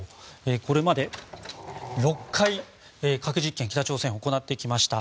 これまで６回、核実験を北朝鮮は行ってきました。